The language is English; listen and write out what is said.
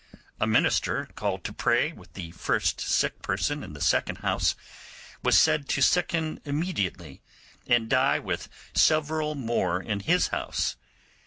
A minister, called to pray with the first sick person in the second house, was said to sicken immediately and die with several more in his house.